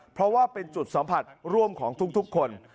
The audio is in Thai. เพราะว่าเป็นจุดสัมผัสร่วมของทุกคน